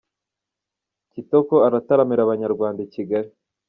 Kitoko arataramira Abanyarwanda ikigali